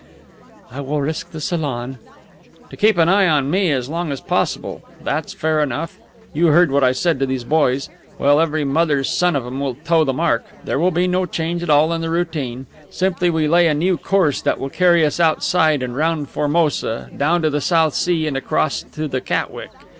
"I will risk the salon." "To keep an eye on me as long as possible. That's fair enough. You heard what I said to those boys. Well, every mother's son of 'em will toe the mark. There will be no change at all in the routine. Simply we lay a new course that will carry us outside and round Formosa, down to the South Sea and across to the Catwick.